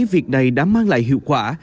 việc này đã mang lại hiệu quả